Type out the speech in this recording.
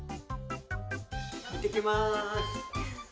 いってきます。